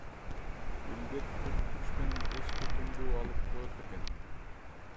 Илдет көп күч менен эстутумду алып коёт экен.